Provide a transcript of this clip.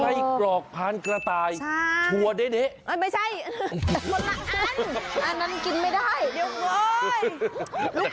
ไส้กรอกทานกระต่ายชัวร์เด๊ะไม่ใช่แต่หมดละอันอันนั้นกินไม่ได้เดี๋ยวเมื่อย